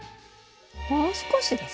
もう少しですかね？